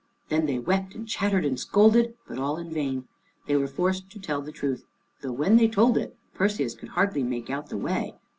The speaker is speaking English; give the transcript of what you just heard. Then they wept and chattered and scolded, but all in vain. They were forced to tell the truth, though when they told it, Perseus could hardly make out the way.